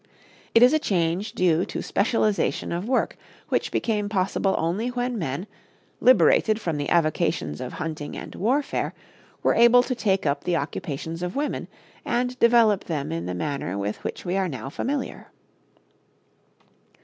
It is a change due to specialization of work which became possible only when men, liberated from the avocations of hunting and warfare, were able to take up the occupations of women, and develop them in the manner with which we are now familiar.